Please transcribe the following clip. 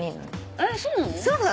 えっそうなの？